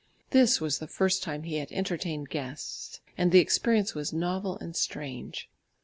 This was the first time he had entertained guests, and the experience was novel and strange.